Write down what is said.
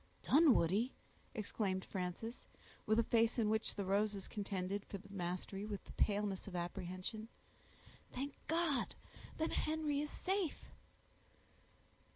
"Dunwoodie!" exclaimed Frances, with a face in which the roses contended for the mastery with the paleness of apprehension. "Thank God! then Henry is safe!"